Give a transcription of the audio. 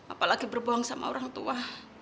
apalagi berbohong sama orang tua